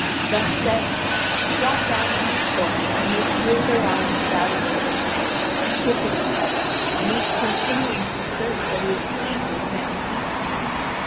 Thus saying, he got down from his horse, and they threw their arms about each other's neck, kissing each other, and each continuing to assert that it is he who has met defeat.